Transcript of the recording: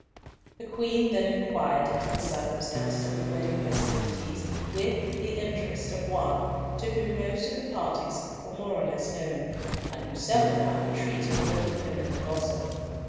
The Queen then inquired into the circumstances of the wedding festivities with the interest of one to whom most of the parties were more or less known, and who seldom had the treat of a little feminine gossip.